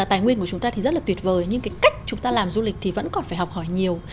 tài nguyên của chúng ta thì rất là tuyệt vời nhưng cái cách chúng ta làm du lịch thì vẫn còn phải học hỏi nhiều